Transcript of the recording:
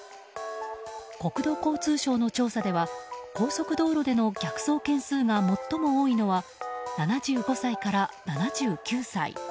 国土交通省の調査では高速道路での逆走件数が最も多いのは７５歳から７９歳。